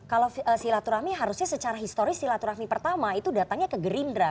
kalau silaturahmi harusnya secara historis silaturahmi pertama itu datangnya ke gerindra